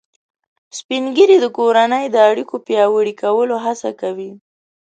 سپین ږیری د کورنۍ د اړیکو پیاوړي کولو هڅه کوي